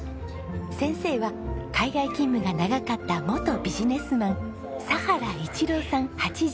先生は海外勤務が長かった元ビジネスマン佐原市郎さん８２歳です。